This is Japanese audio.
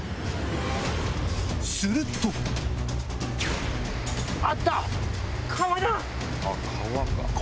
するとあった！